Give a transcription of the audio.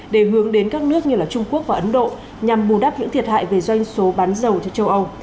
để hướng đến các nước như trung quốc và ấn độ nhằm bù đắp những thiệt hại về doanh số bán dầu cho châu âu